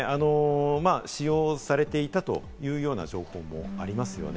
使用されていたという情報もありますね。